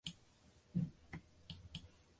为此他被提名艾美奖。